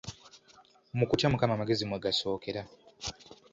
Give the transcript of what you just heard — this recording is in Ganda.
Mu kutya Mukama amagezi mwe gasookera.